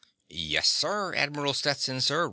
"Yes, sir, Admiral Stetson, sir.